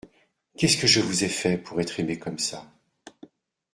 Qu’est-ce que je vous ai fait pour être aimé comme ça ?